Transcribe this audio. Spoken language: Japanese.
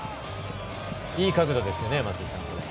いい角度ですよね、松井さん。